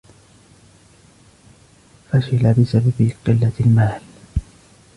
فشِل بسبب قلة المال.